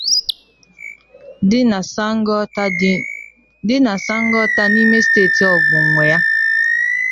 dị na Sango Ota n'ime Steeti Ogun nwè ya